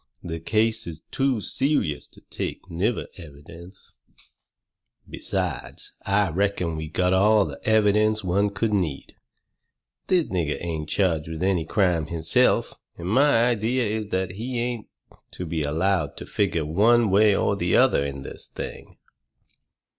The case is too serious to take nigger evidence. Besides, I reckon we got all the evidence any one could need. This nigger ain't charged with any crime himself, and my idea is that he ain't to be allowed to figure one way or the other in this thing."